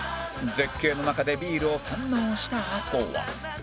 絶景の中でビールを堪能したあとは